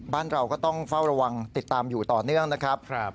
บ้านเราก็ต้องเฝ้าระวังติดตามอยู่ต่อเนื่องนะครับ